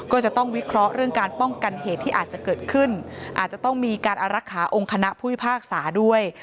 ก็จะต้องวิเคราะห์เรื่องการป้องกันเหตุที่อาจจะเกิดขึ้นอาจจะต้องมีการอารักษาองค์คณะผู้พิพากษาด้วย